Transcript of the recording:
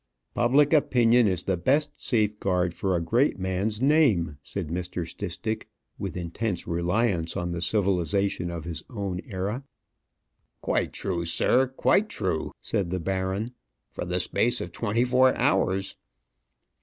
"Public opinion is the best safeguard for a great man's great name," said Mr. Stistick, with intense reliance on the civilization of his own era. "Quite true, sir; quite true," said the baron, "for the space of twenty four hours."